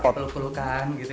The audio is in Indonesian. ada pelukan gitu